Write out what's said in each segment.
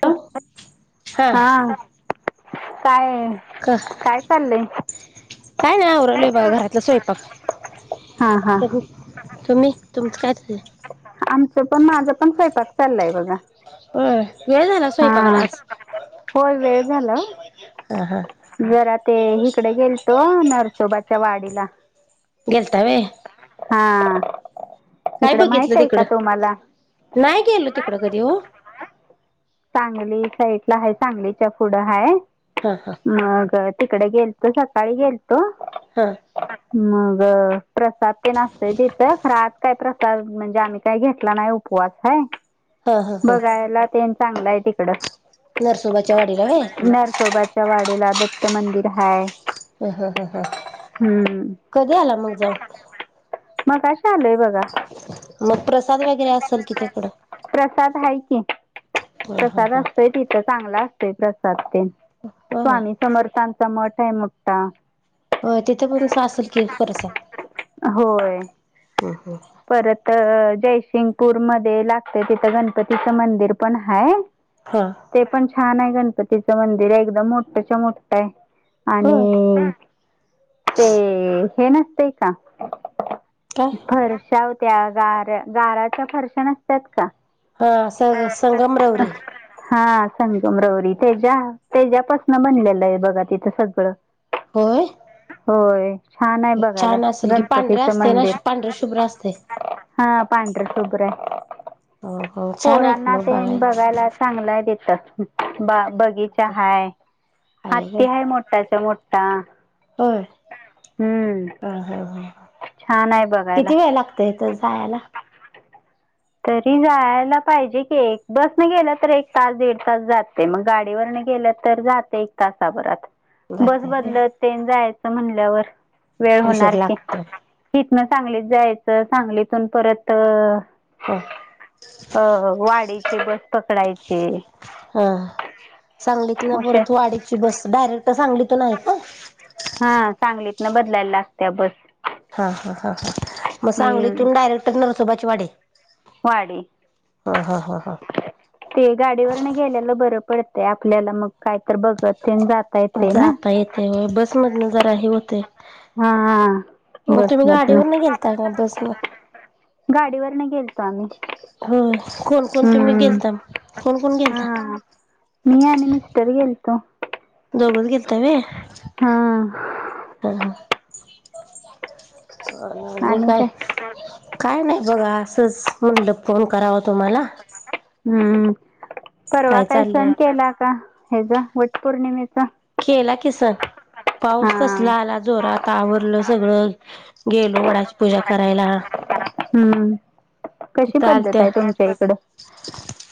ह हा का? का काय नाही आरले बघ घरातलं स्वयंपाक हा हा तुम्ही तुमचं काय झालंय. आमचं पण माझा पण स्वयंपाक चाललाय बघा. अ वेळ झाला हा सोयपाकला आज होय वेळ झाला हो. हा हा जरा ते इिकडे गेलतो नरसोबाच्या वाडीला गेलतवे हा. काय इकडं माहित बघितलं आहे का तिकडं तुम्हाला नाही गेलो तिकड कधी हो. ांगली साईड आहे सांगलीच्या फुड ह हा हा मग तिकडे गेलतो सकाळी गेल तो हा [inaudible] मग प्रसाद तेन असतोय तिथं आज काय प्रसाद म्हणजे आम्ही काही घेतला नाही उपवास ह हा हा हा बघायला त्यां चांगला आहे तिकड नरसोबाच्या वाडीला व्हय नरसोबाच्या वाडीला त मंदिर आहे. ह ह ह ह कधी आला मग जाऊन मघाशी आलोय बघा. मग प्रसाद वगैरे असेल कि तीकडं? प्रसाद हाय की प्रसाद असतोय तिथं चांगला असतोय प्रसाद तेन होय स्वामी समर्थांचा मठ मठ आहे मोठा. होय तिथे पण आसल की परसाद. होय परत जयसिंगपूर मध्ये लागतंय तिथं गणपतीच मंदिर पण हाय. हा ते पण छान आहे गणपतीचं मंदिर आहे एकदम मोठ्यच्या मोठं आहे. होय आणि ते हे नसतेय का? काय? फरशा त्या गार गाराच्या फरश्या नसतात का? हां स संगमरवरी. हा संगमरवरी तेच्या तेच्यापासन बनलेलं आहे बघा तिथं सगळं. होय? होय छान आहे बघायला छान असेल की पांढरे गणपतीच असते ना मंदिर. पांढरे शुभ्र असते हां पांढर शुभ्र आहे. ह ह छान आहे की पोरांना मग तेन बघाय बघायला चांगल आहे तिथं थ बगीचा हाय आहे व्हय हत्ती हाय मोठाच्या मोठा. होय हम्म हां हां हां छान आहे बघायला किती वेळ लागत. तंय तर जायला? तरी जायला पाहिजे की बस न गेलं तर एक तास दीड तास जातंय मग गाडीवरन गेल तर जातंय एक तासाभरात बस जातय व्हय बदलत तेन जायच म्हणल्यावर. वेळ उशीर होणार की लागतोय इथन सांगलीत जायचं सांगलीतून परत ह अ वाडीची बस. पकडायची हां सांगलीत न उशा परत वाडीची बस डायरेक्ट सांगलीत तून आहे काय? न बदलायला लागत्या बस. हां हां हां हां मग हम्म, सांगलीतून डायरेक्ट नरसोबाची वाडी. वाडी हा हा हा हा ते गाडीवरन गेलेलं बरं. पडतंय आपल्याला मग काय तर बघत. तेन जाता येतंय ना जाता येतेय होय बसमधन जरा हे होतंय. हा तुम्ही बसमधनं गाडीवरन गेलता का बसन? गाडीवरन गेलतो आम्ही. हो कोण कोण तुम्ही हम्म, गेलता कोण कोण गेलता? हा मी आणि मिस्टर गेलतो. दोघच गेलता होय हा हां हां. अ म काय? काय नाही. बघा असंच म्हणलं फोन कराव तुम्हाला. हम्म परवा काय काही सण चाललंय केला का हेचा वट पौर्णिमेचा? केला की सण. हा पाऊस कसला आला जोरात आवरलं सगळं गेलो वडाची पूजा करायला. हम्म कशी तिथं पद्धत आलत्या आहे तुमच्या इकडं?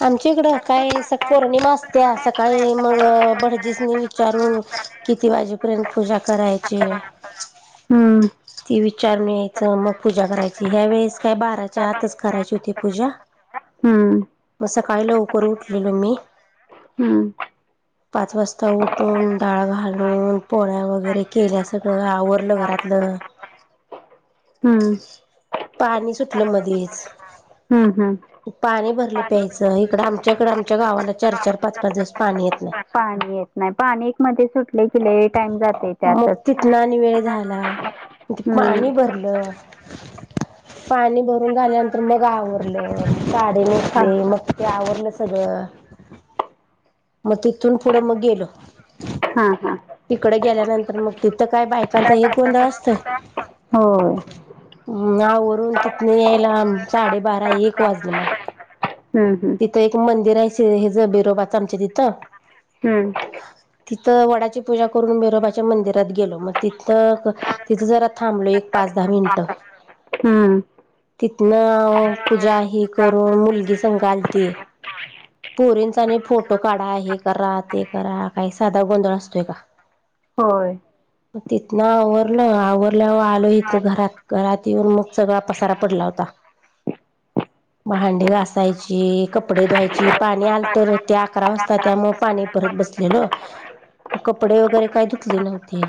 आमच्या इकडं काही स पौर्णिमा असते सकाळी मग भटजीसनी विचारून. किती वाजेपर्यंत पूजा करायची. हम्म. ती विचारून यायचं मग पूजा करायची ह्या वेळेस काय बाराच्या आतच करायची होती पूजा. हम्म. म सकाळी ल उवकर उठलेलो मी. [unintelligible] पाच वाजता उठून डाळ घालून पोळ्या वगैरे केल्या सगळं आवरलं घरातलं. हम्म पाणी सुटलं मध्येच. हम्म हम्म पाणी भरलं. प्यायचं इकडं आमच्या इकडे आमच्या गावाला चार चार पाच पाच दिवस पाणी येत. नाही पाणी येत नाही पाणी मध्ये सुटले किले टाइम जाते मग त्यातच तिथनं आणि वेळ हम्म पाणी भरलं. [inaudible] पाणी भरून झाल्यानंतर मग आवरलं साडी नेसली मग ते आवरलं सगळं. ह मग तिथून पुढं मग गेलो हा हा. तिकडे गेल्यानंतर मग तिथं काय बायकांचा एक गोंधळ असतोय. हो. हम् आवरून तिथन यायला साडेबारा एक वाजलं मला. हम्म हम्म तिथं एक मंदिर आहे हे ज बिरोबाच आमच्या तिथं. ह. तिथं वडाची पूजा करून बिरोबाच्या मंदिरात गेलो मग तिथं तिथं जरा थांबलो एक. पाच दहा मिनटं. हम्म. तिथन पूजा ही करून मुलगी संघ आलती. पोरींचा आणि फोटो काढा हे करा ते करा काही साधा गोंधळ असतोय का. होय. तिथन आवरलं आवरल्यावर आलो इथ घरात घरात येऊन मग सगळा पसारा पडला होता. ह भांडी घासायची. ज कपडे धुवायची पाणी आल तर त्या अकरा वाजता त्यामु पाणी परत बसलेल. मग कपडे वगैरे काय धुतले नव्हती.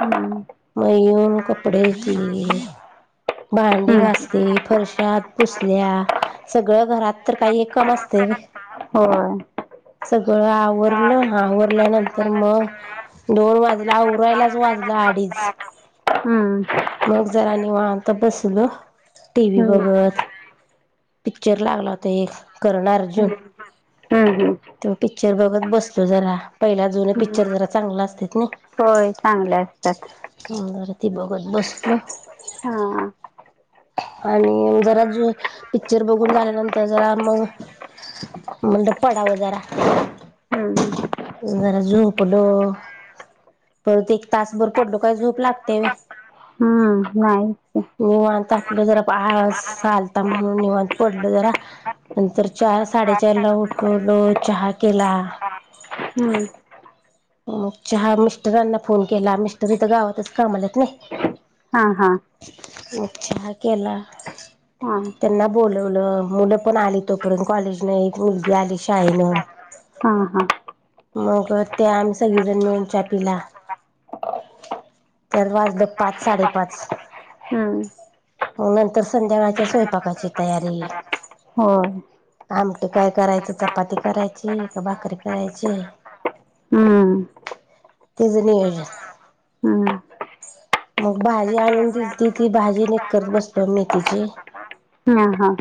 हम्म मयेऊन कपडे धुतली. भांडी हम्म घासली फरशात पुसल्या सग. सगळं घरात तर काही एक काम असतय व्हय. होय. सगळं आवरलं आवरल्यानंतर मग. दोन वाजला उरायलाच वाजलं अडीच. हम्म मग जरा निवात तर बसल टी व्ही हम्म बघत. पिक्चर लागला होता एक करन अर्जुन. हम्म हम्म. तेव्हा पिक्चर बघत बसतो जरा पहिला जुन पिक्चर जरा चांगला असते ना. होय चांगले असतात. ती बघत बसलो हा. आणि जरा पिक्चर बघून झाल्यानंतर जरा मग म्हणलं पडावं जरा हम्म जरा झोपलो. परत एक तासभर पडलो काय झोप लागते व्हय हम नाही. निवांत जरा प आळस आलता म्हणून निवांत. पडलो जरा, नंतर चार साडेचार ला उठवल चहा केला. हम्म. चहा, मिस्टरांना फोन केला मिस्टर तर गावातच कामालात नाही. हा हा. मग चहा केला. हा. त्यांना बोलवलं मुलं पण आली तोपर्यंत कॉलेज नाही मुलगी आली शाळेनं. हा. हा मग ते आम्ही सगळी जण मिळून च्या पिला. त्यात वाजलं पाच साडेपाच. हम्म. मग नंतर संध्याकाळच्या स्वयंपाकाची तयारी. होय आमटी काय करायचं चपाती करायची का भाकरी करायची. हम्म तेच नियोजन हम् मग भाजी आणून दिली त ती भाजी निट करत बसतो मेथीची. हम हा.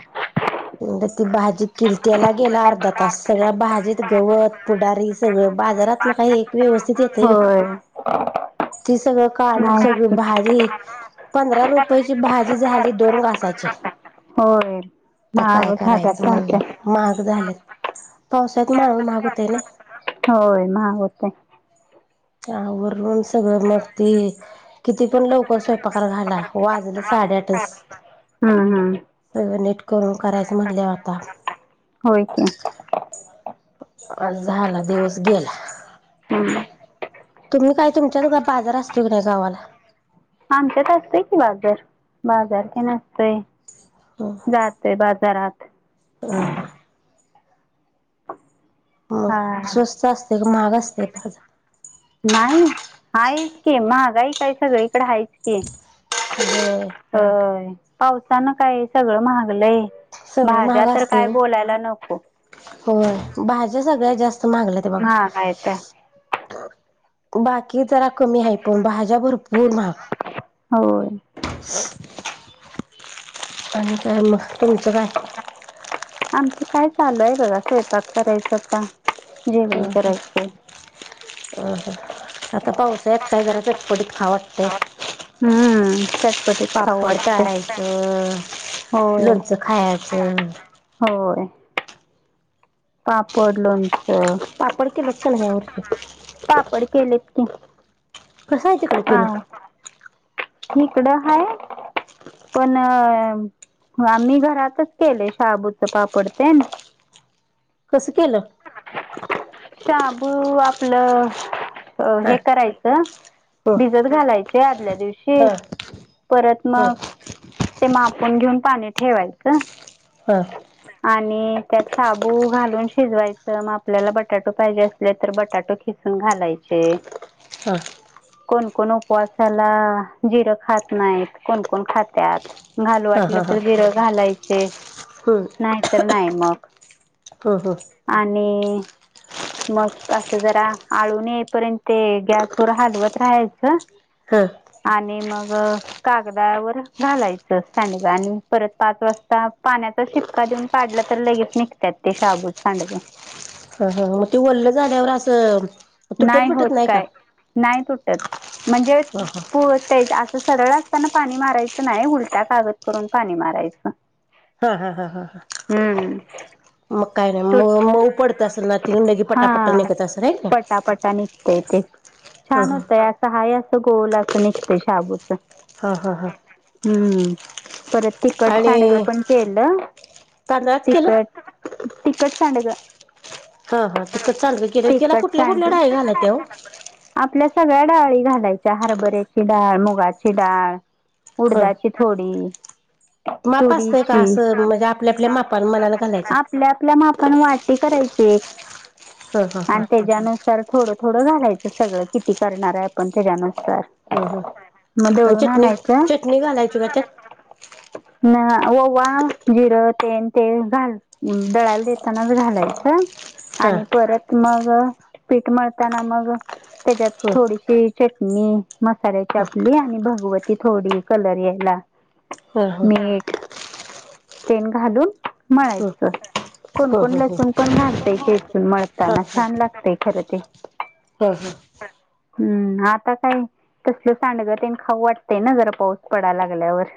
म्हण ती भाजी किर्तीला गेला अर्धा तास सगळ्या भाजीत गवत, पुडारी सगळ. बाजारात ना काही एक व्यवस्थित येत व्हय होय ते सगळं काढू सगळ नाहीच की भारी पंधरा रुपयाची भाजी झाली दोन घासाची.. होय आता महाग काय होत करायचं राहत्यात म्हणलं भाज्या महाग झालंत. पावसात माळू महाग होतय नाय. होय महाग होतय. आवरून सगळं मग ते किती पण लवकर स्वयंपाक घाला वाजलं साडे आठ च हम् सगळ नीट करून करायचं म्हटल्यावर आता होय की. आ झाला दिवस गेला हम्म तुम्ही काय तुमच्या दुघा बाजार असतो की नाही गावाला आमच्यात असतय की बाजार बाजार क नसतय जातय बाजार. जरात ह हा म हा स्वस्त असते क महाग असते बाजा नाही आहेच क महागाई काय सगळीकडे हायेच पावसानं काय सगळ महाग सगळं माझ्या महाग तर असते काय बोलायला नको. होय भाज्या सगळ्यात जास्त मगल्या ते बघा. महागाय त्या बाकी जरा कमी आहे पण भाज्या भरपूर महाग होय ह आणि काय मग, तुमचं काय? आमचं काय चालूय बघा स्वयंपाक करायच आता, जेवण करायचंय. अ आता पाऊसळ्यात काय जरा चटपटीत खाऊ वाटतंय. हम्म चटपटीत खाऊ पापड वाटतंय तारायचं. होय लोणचं खायचं. होय पापड लोणच. लक्षण हरचे पापड केलेत की कस आहे तिकडे केलं. इिकडं हा पण आम्ही घरातच केले शाबूच पापड ते ना. कसं केलं. शाबू आपलं अ हां हे करायचं हो भिजत घालायचे आदल्या दिवशी हां परत हो मग ते मा आपण घेऊन पाणी ठेवायचं हां आणि त्यात शाबू घालून शिजवायचं मग आपल्याला बटाटो पाहिजे असले तर बटाटो खिचून घालायचे. ते. हा. कोणकण उपवासाला जिरं खात नाहीत कोणकण खात्यात घालू हां वाटलं हां तर हां जिर घालायचे. हं नाही तर नाही मग हं हं आणि मस् असं जरा आळूनून येईपर्यंत गॅसवर हलवत राहायचं. आणि मग कागदावर घालायचं सांडग आणि परत पाच वाजता पाण्याचा शिपका देऊन काढला तर लगेच निघतात ते शाबूज सांडग. हा हा मग ते वरलं झाल्यावर असं. तुटत नाही होत बिटत का काय नाही तुटत म्हणजे हां पोळतय. सरळ असताना पाणी मारायचं नाही उलट्या कागद करून पाणी मारायचं. [unintelligible] हम्म काय नाही तू मग मऊ पडत असेल ना तरंदगी पटापट्टा हा निघत असेल आहे ना. पटापटा निघतय ते हां छान हां होतय असं हाय असं गोल असं निघत शाबूच हा हा हा. हम्म. परत तिखट सडग पण केल तांदळात केलं तिखट तिकट सांडग हां हां तिखट चांगलं केलं क त्याला कुठल्या सांगत कुठल्या डाळी घालायच्या हो आपल्या सगळ्या डाळी घालायच्या हरभऱ्याची डाळ मुगाची डाळ ह उडदाची थोडी माप असतंय का तुरीची असं म्हणजे आपल्या आपल्या मापान मनान घालायच्या. आप वाटी करायची ह ह ह आणि त्याच्यानुसारथोड थोडं घालायचं सगळं किती करणार आहे आपण त्याच्यान ह ह आणि चटणी आणायचं चटणी घालायची का ते ना ववा जिरं तेन ते घाल. दळाल देतानाच घालायचं हा आणि परत मग पीठ मळताना मग त्याच्यात ह थोडीशी चटणी मसाल्या ह चापली आणि भगवती थोडी कलर यायला. ह ह ह ह मीठ तेन घालून ह मळायचं कोण कोण लसूण पण घालतय चेचून मळताना छान लागतय खरं ते हा हा. हम्म आता काय? तसलं सांडगं तेन खाऊ वाटते ना जरा पाऊस पडा लागल्यावर